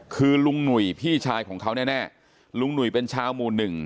คือลุงหนุ่ยพี่ชายของเขาแน่ลุงหนุ่ยเป็นชาวหมู่หนึ่ง